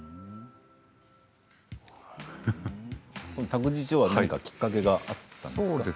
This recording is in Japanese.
託児所は何かきっかけがあったんですか？